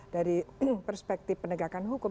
dari perspektif penegakan hukum